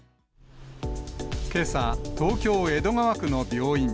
けさ、東京・江戸川区の病院。